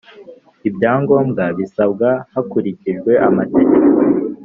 Ibyangombwa bisabwa hakurikijwe amategeko